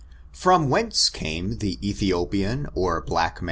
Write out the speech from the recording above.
From whence came the Ethiopian, or black man?